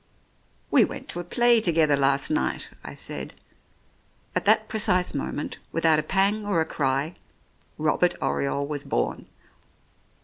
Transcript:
"We went to a play together last night," I said. At that precise moment, without a pang or a cry, Robert Oriole was born.